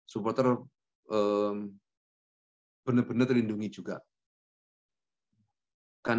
supporter benar benar terlindungi juga